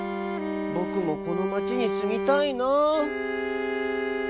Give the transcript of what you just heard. ぼくもこの町にすみたいなあ」。